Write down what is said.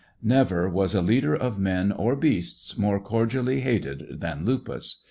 Never was a leader of men or beasts more cordially hated than Lupus.